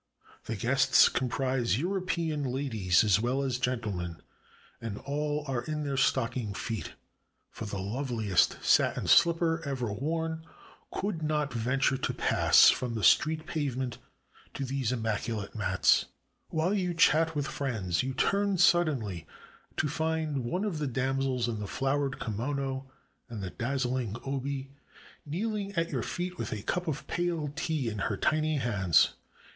The guests comprise European ladies as well as gentlemen, and all are in their stocking feet, for the loveHest satin slipper ever worn could not venture to pass from the street pavement to these immaculate 392 A JAPANESE DINNER PARTY mats. While you chat with friends, you turn suddenly to find one of the damsels in the flowered kimono and the dazzling obi kneeling at your feet with a cup of pale tea in her tiny hands.